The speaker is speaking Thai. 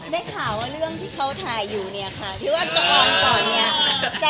ได้ข่าวว่าเรื่องที่เค้าถ่ายอยู่เนี่ยค่ะ